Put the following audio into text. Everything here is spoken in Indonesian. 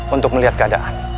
untuk melihat keadaan